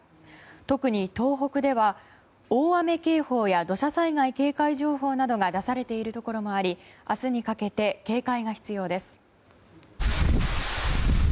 特に東北では、大雨警報や土砂災害警戒情報などが出されているところもあり明日にかけて警戒が必要です。